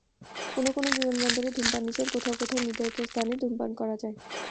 কোনো কোনো বিমানবন্দরে ধূমপান নিষেধ, কোথাও কোথাও নির্ধারিত স্থানে ধূমপান করা যায়।